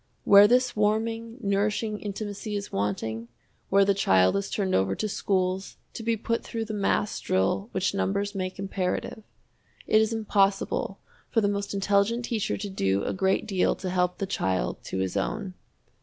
Where this warming, nourishing intimacy is wanting, where the child is turned over to schools to be put through the mass drill which numbers make imperative it is impossible for the most intelligent teacher to do a great deal to help the child to his own.